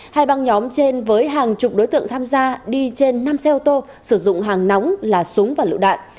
hai băng nhóm trên với hàng chục đối tượng tham gia đi trên năm xe ô tô sử dụng hàng nóng là súng và lựu đạn